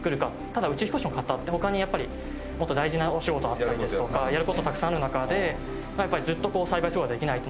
ただ宇宙飛行士の方って他にやっぱりもっと大事なお仕事があったりですとかやる事たくさんある中でずっと栽培する事はできない。